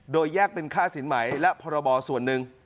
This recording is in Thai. โดยแยกเป็นค่าสินใหม่และพรบส่วนหนึ่ง